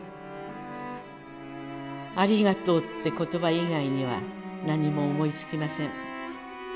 ありがとうって言葉以外には何も思いつきません。